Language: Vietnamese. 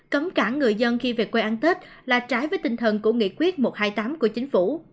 cấm cả người dân khi về quê ăn tết là trái với tinh thần của nghị quyết một trăm hai mươi tám của chính phủ